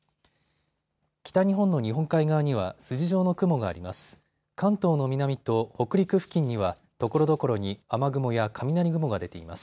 北日本の日本海側には筋状の雲があります。